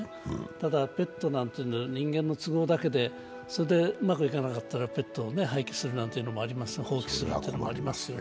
ただ、ペットなんていうのは人間の都合だけでそれでうまくいかなかったらペットを放棄するっていうのもありますよね。